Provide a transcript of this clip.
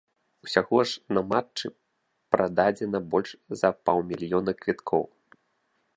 Усяго ж на матчы прададзена больш за паўмільёна квіткоў.